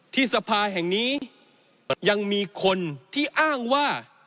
สภาแห่งนี้ยังมีคนที่อ้างว่า